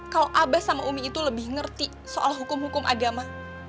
kalau abah sama umi itu lebih ngerti soal hukum hukum agama